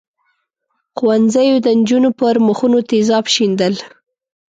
ښوونځیو د نجونو پر مخونو تېزاب شیندل.